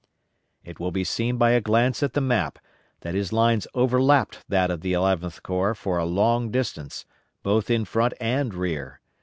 It will be seen by a glance at the map that his lines overlapped that of the Eleventh Corps for a long distance, both in front and rear.